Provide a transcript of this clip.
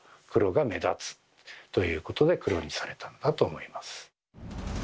黒が目立つ。ということで黒にされたんだと思います。